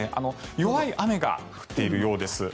弱い雨が降っているようです。